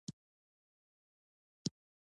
بادي انرژي د افغانستان د جغرافیایي موقیعت پایله ده.